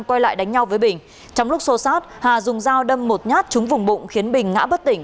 quay lại đánh nhau với bình trong lúc xô xát hà dùng dao đâm một nhát trúng vùng bụng khiến bình ngã bất tỉnh